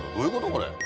これ。